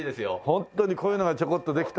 ホントにこういうのがちょこっとできたらさ。